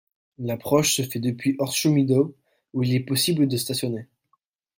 L'approche se fait depuis Horseshoe Meadow, où il est possible de stationner.